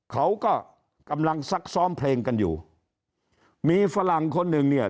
เขาก็กำลังซักซ้อมเพลงกันอยู่มีฝรั่งคนหนึ่งเนี่ย